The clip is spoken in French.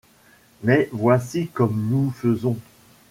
Mais voici comme nous faisons.